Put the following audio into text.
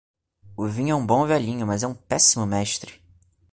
O vinho é um bom velhinho, mas é um péssimo mestre.